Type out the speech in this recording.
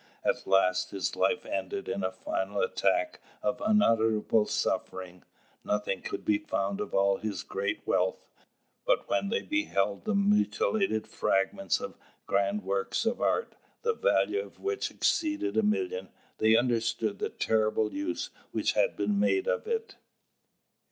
At last his life ended in a final attack of unutterable suffering. Nothing could be found of all his great wealth; but when they beheld the mutilated fragments of grand works of art, the value of which exceeded a million, they understood the terrible use which had been made of it.